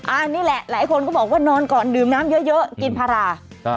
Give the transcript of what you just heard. อันนี้แหละหลายคนก็บอกว่านอนก่อนดื่มน้ำเยอะกินพารา